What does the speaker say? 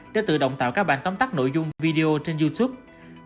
để tự động tạo các bản tấm tắt nội dung video trên youtube